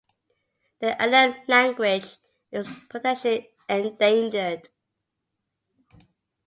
The Eleme language is potentially endangered.